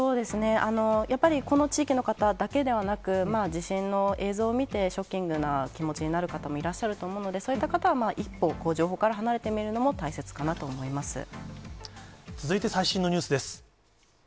やっぱりこの地域の方だけではなく、地震の映像を見て、ショッキングな気持ちになる方もいらっしゃると思うので、そういった方は、一歩、情報から離れてみるのも大切かなと思いま続いて最新のニュースです。